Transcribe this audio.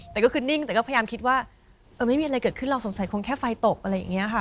แต่ก็คือนิ่งแต่ก็พยายามคิดว่าเออไม่มีอะไรเกิดขึ้นเราสงสัยคงแค่ไฟตกอะไรอย่างนี้ค่ะ